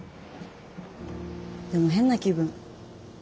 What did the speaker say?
でも変な気分。